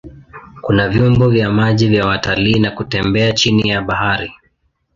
Kuna vyombo vya maji vya watalii na kutembea chini ya bahari.